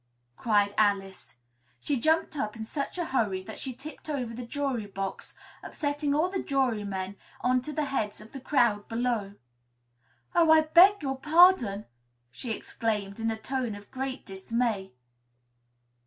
cried Alice. She jumped up in such a hurry that she tipped over the jury box, upsetting all the jurymen on to the heads of the crowd below. "Oh, I beg your pardon!" she exclaimed in a tone of great dismay.